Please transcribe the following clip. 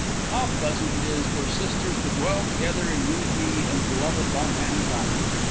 How pleasant it is for sisters to dwell together in unity and beloved by mankind.